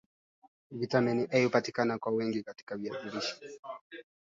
kambi za jeshi mashariki mwa nchi hiyo eneo ambalo lina utajiri mkubwa wa madini